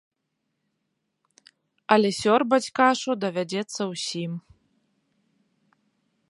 Але сёрбаць кашу давядзецца ўсім.